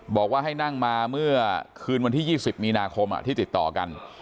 บอกว่าให้นั่งมาเมื่อคืนวันที่๒๐มีนาคมที่ติดต่อกัน